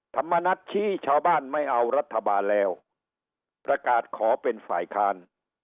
ธรรมนัฐชี้ชาวบ้านไม่เอารัฐบาลแล้วประกาศขอเป็นฝ่ายค้าน